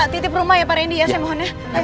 titip rumah ya pak rendy ya saya mohonnya